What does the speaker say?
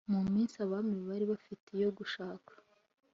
Mu minsi abami bari hafi yo gushaka